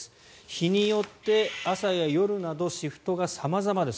日によって朝や夜などシフトが様々です。